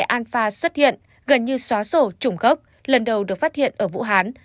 omicron pha xuất hiện gần như xóa sổ chủng gốc lần đầu được phát hiện ở vũ hán